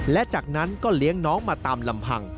และจากนั้นก็เลี้ยงน้องมาตามลำพัง